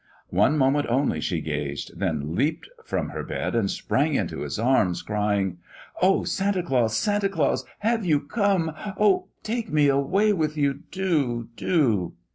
One moment only she gazed; then leaped from her bed and sprang into his arms, crying: "O Santa Claus! Santa Claus! Have you come! Oh, take me away with you, do, do!"